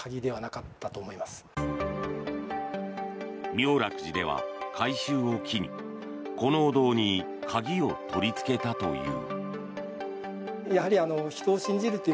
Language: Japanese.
妙楽寺では、改修を機にこのお堂に鍵を取りつけたという。